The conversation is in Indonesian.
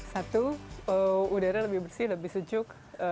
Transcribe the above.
satu udara lebih bersih lebih sejuk